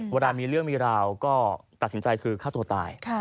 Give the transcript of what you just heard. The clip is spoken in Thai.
เวลามีเรื่องมีราวก็ตัดสินใจคือฆ่าตัวตาย